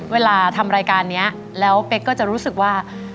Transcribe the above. เวลาทำรายการนี้แล้วเป๊กก็จะรู้สึกว่า